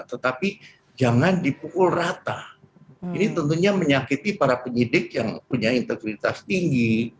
tetapi jangan dipukul rata ini tentunya menyakiti para penyidik yang punya integritas tinggi